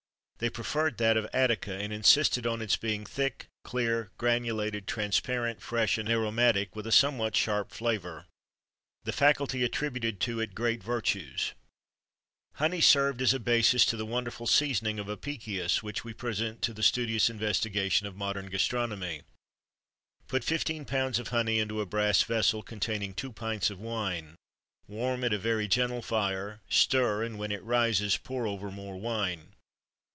They preferred that of Attica,[XXIII 61] and insisted on its being thick, clear, granulated, transparent, fresh, and aromatic, with a somewhat sharp flavour.[XXIII 62] The faculty attributed to it great virtues.[XXIII 63] Honey served as a basis to the wonderful seasoning of Apicius, which we present to the studious investigation of modern gastronomy: Put fifteen pounds of honey into a brass vessel, containing two pints of wine. Warm at a very gentle fire, stir, and when it rises, pour over more wine.